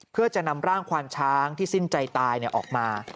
เพื่อจะนำร่างควานช้างที่สิ้นใจตายออกมา